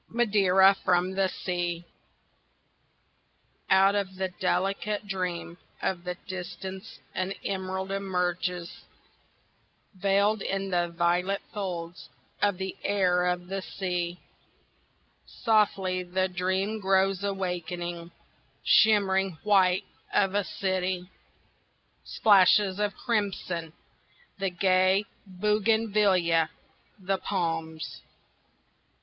Madeira from the Sea Out of the delicate dream of the distance an emerald emerges Veiled in the violet folds of the air of the sea; Softly the dream grows awakening shimmering white of a city, Splashes of crimson, the gay bougainvillea, the palms.